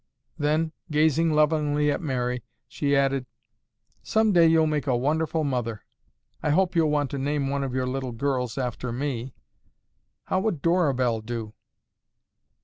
Then, gazing lovingly at Mary, she added, "Someday you'll make a wonderful mother. I hope you'll want to name one of your little girls after me. How would Dorabelle do?"